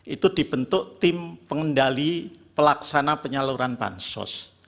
itu dibentuk tim pengendali pelaksana penyaluran bansos